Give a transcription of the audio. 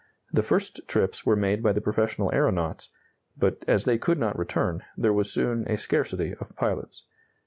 The first trips were made by the professional aeronauts, but, as they could not return, there was soon a scarcity of pilots.